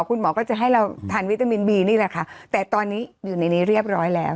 คุณหมอก็จะให้เราทานวิตามินบีนี่แหละค่ะแต่ตอนนี้อยู่ในนี้เรียบร้อยแล้ว